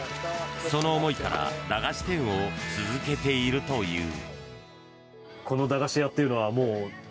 その思いから駄菓子店を続けているという。